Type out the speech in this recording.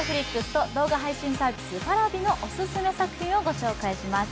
Ｎｅｔｆｌｉｘと動画配信サービス、Ｐａｒａｖｉのオススメ作品をご紹介します。